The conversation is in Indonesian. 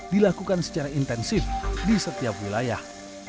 dilakukan secara intensif di setiap wilayah